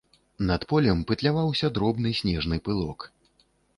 Над полем пытляваўся дробны снежны пылок.